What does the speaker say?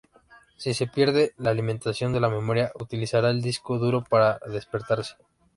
Si se pierde la alimentación de la memoria, utilizará el disco duro para despertarse.